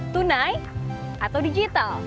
tunai atau digital